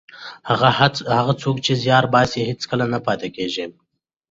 هغه څوک چې زیار باسي هېڅکله نه پاتې کېږي.